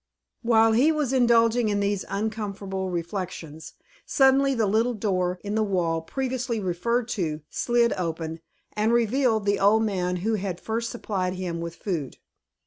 While he was indulging in these uncomfortable reflections, suddenly the little door in the wall, previously referred to, slid open, and revealed the old man who had first supplied him with food.